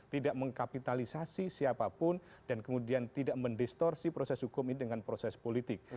tidak mengkapitalisasi siapapun dan kemudian tidak mendistorsi proses hukum ini dengan proses politik